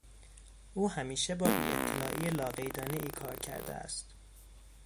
او همیشه با بیاطلاعی لاقیدانهای کار کرده است.